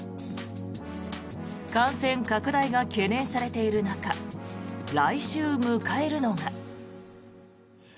感染拡大が懸念されている中来週、迎えるのが。